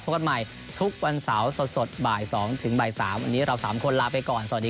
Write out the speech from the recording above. โปรดติดตามตอนต่อไป